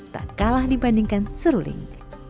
tak kalah dibandingkan seruling